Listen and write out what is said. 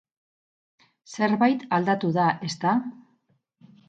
Zerbait aldatu da, ezta?